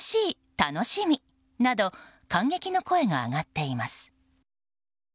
楽しみなど感激の声が上がっています。